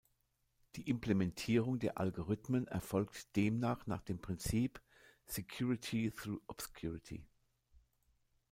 Die Implementierung der Algorithmen erfolgt demnach nach dem Prinzip Security through obscurity.